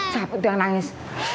sabut jangan nangis